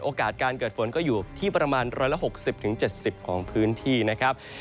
โอกาสการเกิดฝนก็อยู่ที่ประมาณ๑๖๐๗๐ของพื้นที่นะครับ